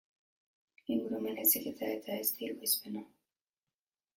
Ingurumen heziketa eta ezti ekoizpena.